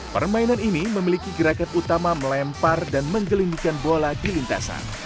permainan ini memiliki gerakan utama melempar dan menggelindingkan bola di lintasan